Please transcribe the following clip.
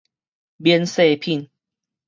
免稅品